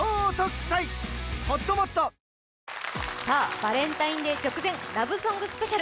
バレンタインデー直前ラブソングスペシャル。